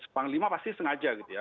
panglima pasti sengaja gitu ya